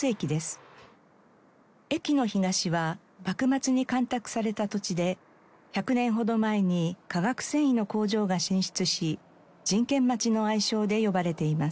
駅の東は幕末に干拓された土地で１００年ほど前に化学繊維の工場が進出し人絹町の愛称で呼ばれています。